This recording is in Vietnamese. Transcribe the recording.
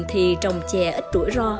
thì trồng chè ít rủi ro